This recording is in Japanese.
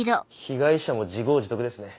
被害者も自業自得ですね。